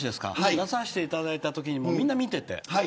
出させていただいたときにもみんな見てて。